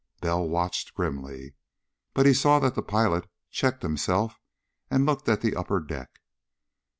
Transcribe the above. Bell watched grimly. But he saw that the pilot checked himself and looked up at the upper deck.